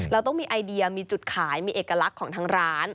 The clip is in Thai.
เราต้องมีไอเดียมีจุดขายมีเอกลักษณ์ของทางร้าน